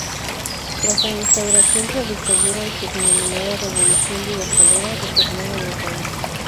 Tras la instauración de la dictadura autodenominada Revolución Libertadora retornaron al país.